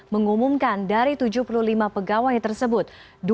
mengumumkan dari tujuh puluh lima pegawai tersebut